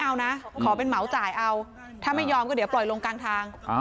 เอานะขอเป็นเหมาจ่ายเอาถ้าไม่ยอมก็เดี๋ยวปล่อยลงกลางทาง